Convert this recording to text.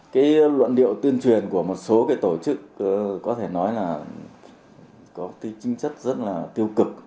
cái luận điệu tuyên truyền của một số cái tổ chức có thể nói là có cái trinh chất rất là tiêu cực